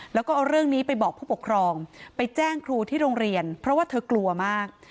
แล้วก็เอาเรื่องนี้ไปบอกผู้ปกครองไปแจ้งครูที่โรงเรียนเพราะว่าเธอกลัวมาก